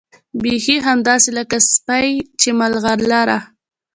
بيخي همداسې لکه سيپۍ چې ملغلره